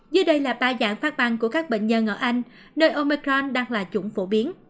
dưới đây là ba dạng phát băng của các bệnh nhân ở anh nơi omecron đang là chủng phổ biến